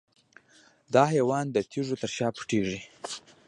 دا حیوان د تیږو تر شا پټیږي.